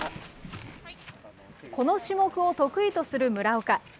この種目を得意とする村岡。